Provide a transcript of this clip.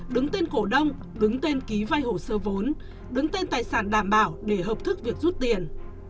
đứng tên cổ đông đứng tên ký vay hồ sơ vốn đứng tên tài sản đảm bảo để hợp thức việc rút tiền